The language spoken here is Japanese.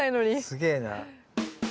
すげえな。